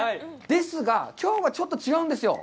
ですが、きょうはちょっと違うんですよ。